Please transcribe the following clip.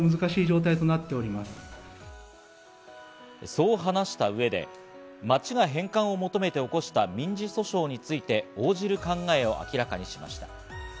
そう話した上で、町が返還を求めて起こした民事訴訟について、応じる考えを明らかにしました。